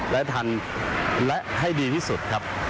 และทันและให้ดีที่สุดครับ